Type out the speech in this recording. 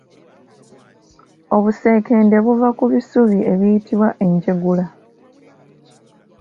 Obuseekende buva ku bisubi ebiyitibwa enjegula